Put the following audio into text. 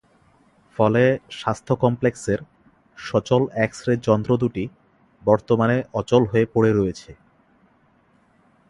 ফলে স্বাস্থ্য কমপ্লেক্সের সচল এক্স-রে যন্ত্র দুটি বর্তমানে অচল হয়ে পড়ে রয়েছে।